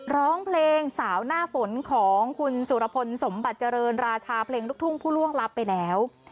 ร้องเพลงสาวหน้าฝนของคุณสุรพลสมบัติเจริญราชาเพลงลูกทุ่งผู้ล่วงลับไปแล้ว